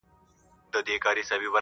هغه ټپه ده سمندر مې ډوبوي درځینې